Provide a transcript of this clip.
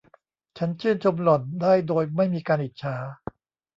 ฉันชื่นชมหล่อนได้โดยไม่มีการอิจฉา